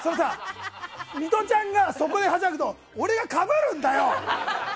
ミトちゃんが、そこではしゃぐと俺がかぶるんだよ！